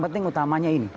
dan utamanya ini